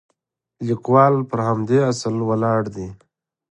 لیکوال پر همدې اصل ولاړ دی.